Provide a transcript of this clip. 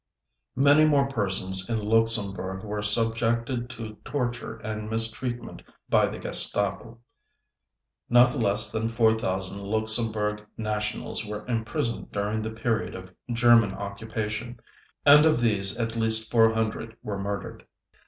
Many more persons in Luxembourg were subjected to torture and mistreatment by the Gestapo. Not less than 4,000 Luxembourg nationals were imprisoned during the period of German occupation, and of these at least 400 were murdered.